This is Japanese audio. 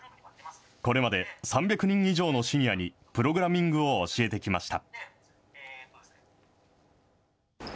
これまで３００人以上のシニアに、プログラミングを教えてきました。